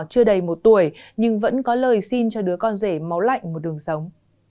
chưa đầy một tuổi nhưng vẫn có lời xin cho đứa con rể máu lạnh một đường sống